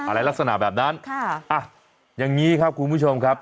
ลักษณะแบบนั้นค่ะอ่ะอย่างนี้ครับคุณผู้ชมครับ